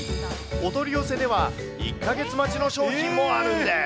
お取り寄せでは１か月待ちの商品もあるんです。